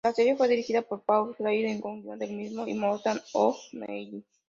La serie fue dirigida por Paul Leyden con guion del mismo y Morgan O'Neill.